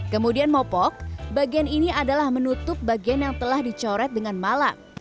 kemudian mopok bagian ini adalah menutup bagian yang telah dicoret dengan malam